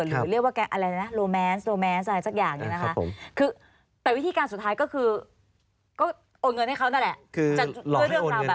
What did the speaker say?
หรือโรแมนซ์อะไรสักอย่างอย่างนี้แต่วิธีการสุดท้ายก็คือโอนเงินให้เขานั่นแหละ